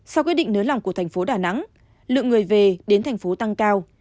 sau quyết định nới lỏng của thành phố đà nẵng lượng người về đến thành phố tăng cao